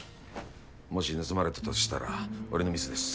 もし盗まれたとしたら俺のミスです。